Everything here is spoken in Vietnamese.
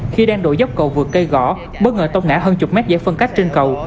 khi đang đổ dốc cầu vượt cây gõ bất ngờ tông ngã hơn chục mét giải phân cách trên cầu